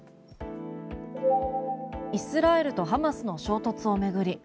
イスラエルとハマスの衝突を巡り